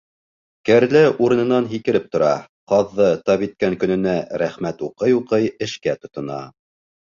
Кәрлә урынынан һикереп тора, ҡаҙҙы тап иткән көнөнә рәхмәт уҡый-уҡый эшкә тотона.